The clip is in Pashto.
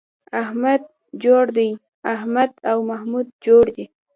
احمد جوړ دی → احمد او محمود جوړ دي